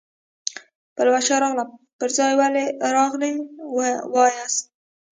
پلوشه راغله پر ځای ولې راغلل وایاست.